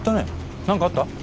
何かあった？